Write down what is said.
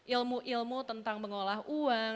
ilmu ilmu tentang mengolah uang